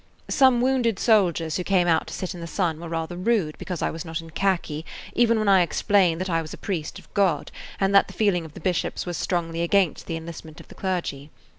Some wounded soldiers who came out to sit in the sun were rather rude because I was not in khaki, even when I explained that I was a priest of God and that the feeling of the bishops was strongly against the enlistment of the clergy.